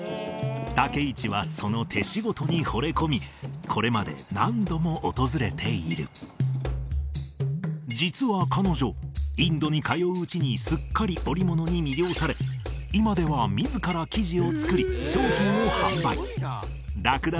武市はその手仕事にほれ込みこれまで何度も訪れている実は彼女インドに通ううちにすっかり織物に魅了され今では自ら生地を作り商品を販売ラクダ